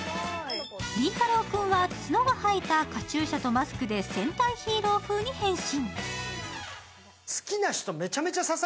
倫太郎君は角が生えたカチューシャとマスクで戦隊ヒーロー風に変身。